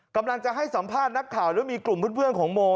กำลังจะให้สัมภาษณ์นักข่าวแล้วมีกลุ่มเพื่อนของโม